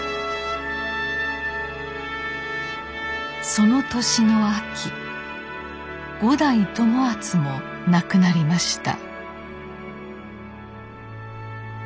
その年の秋五代友厚も亡くなりました。